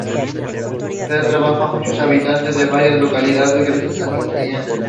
Da trabajo a muchos habitantes de varias localidades gracias al Ingenio.